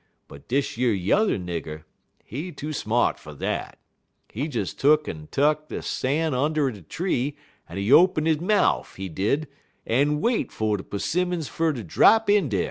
But dish yer yuther nigger, he too smart fer dat. He des tuck'n tuck he stan' und' de tree, en he open he mouf, he did, en wait fer de 'simmons fer ter drap in dar.